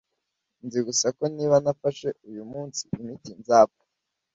Nzi gusa ko niba ntafashe uyu munsi imiti, nzapfa.